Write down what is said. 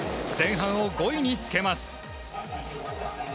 前半を５位につけます。